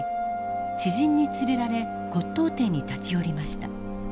知人に連れられ骨董店に立ち寄りました。